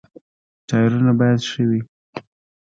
ټایرونه باید ښه وي.